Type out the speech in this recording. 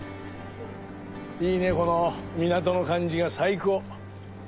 いいねこの港の感じが最高。